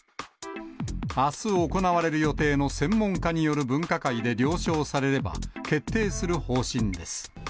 あす行われる予定の専門家による分科会で了承されれば、決定する方針です。